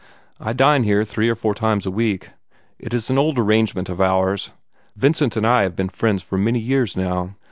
But I dine here three or four times a week. It is an old arrangement of ours. Vincent and I have been friends for many years now.